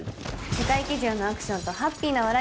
世界基準のアクションとハッピーな笑い